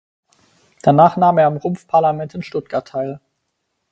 Danach nahm er am Rumpfparlament in Stuttgart teil.